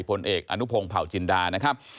ผลเอกอนุพงศ์เผาจินดานะครับ